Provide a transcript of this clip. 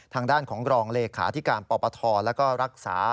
ทางด้านของรองเลขาที่การปศ